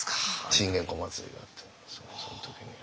信玄公祭りがあってその時には。